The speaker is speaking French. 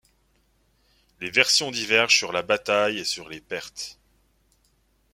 Les versions divergent sur la bataille et sur les pertes.